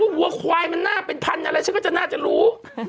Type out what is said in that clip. วัวควายมันน่าเป็นพันธุ์อะไรฉันก็จะน่าจะรู้